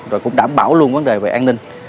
rồi cũng đảm bảo luôn vấn đề về an ninh